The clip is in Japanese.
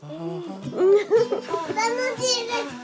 楽しいですか？